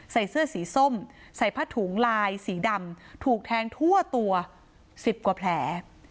ใส่เสื้อสีส้มใส่ผ้าถุงลายสีดำถูกแทงทั่วตัว๑๐กว่าแผล